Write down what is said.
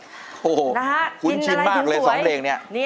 โอ้โหคุ้นชินมากเลย๒เพลงนี้